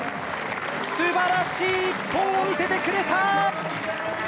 すばらしい１本を見せてくれた。